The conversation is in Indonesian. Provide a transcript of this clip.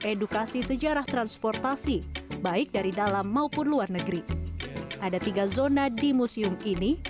edukasi sejarah transportasi baik dari dalam maupun luar negeri ada tiga zona di museum ini